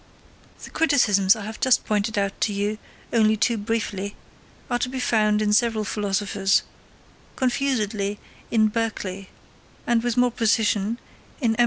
The criticisms I have just pointed out to you, only too briefly, are to be found in several philosophers, confusedly in Berkeley, and with more precision in M.